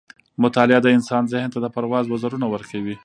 مطالعه د انسان ذهن ته د پرواز وزرونه ورکوي.